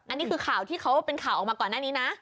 อันนี้คือข่าวที่เขาเป็นข่าวออกมาก่อนหน้านี้นะ